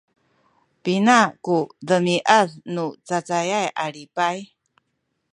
pina ku demiad nu cacayay a lipay?